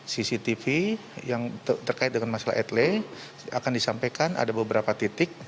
cctv yang terkait dengan masalah etle akan disampaikan ada beberapa titik